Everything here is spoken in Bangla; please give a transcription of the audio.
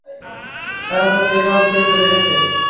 তারা তো চেক আউট করে চলে গেছে।